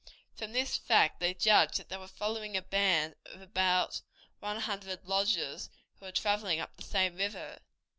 From this fact they judged that they were following a band of about one hundred lodges, who were traveling up the same river.